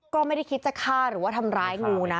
ก็ไม่ได้คิดจะฆ่าหรือว่าทำร้ายงูนะ